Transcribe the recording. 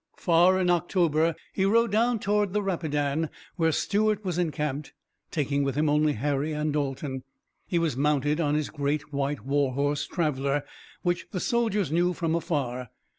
Far in October he rode down toward the Rapidan where Stuart was encamped, taking with him only Harry and Dalton. He was mounted on his great white war horse, Traveller, which the soldiers knew from afar.